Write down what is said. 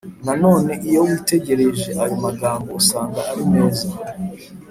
Nanone iyo witegereje ayo magambo usanga ari meza